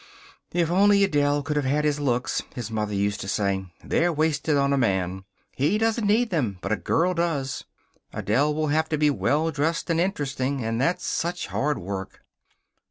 "If only Adele could have had his looks," his mother used to say. "They're wasted on a man. He doesn't need them, but a girl does. Adele will have to be well dressed and interesting. And that's such hard work."